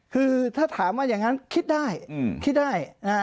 คือถ้าถามว่าอย่างนั้นคิดได้คิดได้